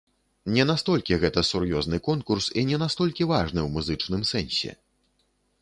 Не настолькі гэта сур'ёзны конкурс і не настолькі важны ў музычным сэнсе.